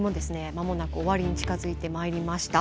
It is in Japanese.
間もなく終わりに近づいてまいりました。